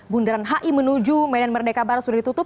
bundaran hi menuju medan merdeka barat sudah ditutup